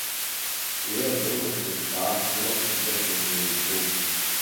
Уи абырлаш лыԥшаах, зылаԥш иҵашәаз, иара итәуп.